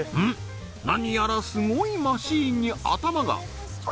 何やらすごいマシーンに頭が！